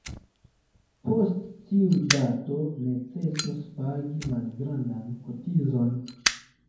Post tiu dato, necesos pagi malgrandan kotizon.